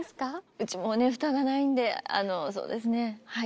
うちもねフタがないんであのそうですねはい。